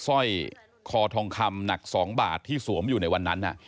สร้อยคอทองคำหนัก๒บาทที่สวมอยู่ในวันนั้น